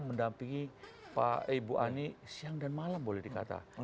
mendampingi pak ibu ani siang dan malam boleh dikatakan